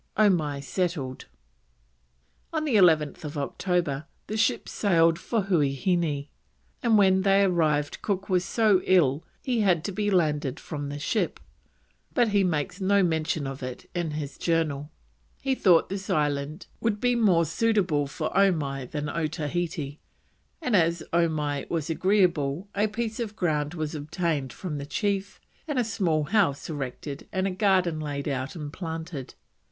OMAI SETTLED. On 11th October the ships sailed for Huaheine, and when they arrived Cook was so ill he had to be landed from the ship, but he makes no mention of it in his Journal. He thought this island would be more suitable for Omai than Otaheite, and as Omai was agreeable a piece of ground was obtained from the chief and a small house erected and a garden laid out and planted.